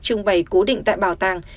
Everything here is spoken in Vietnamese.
trưng bày cố định tại bảo tàng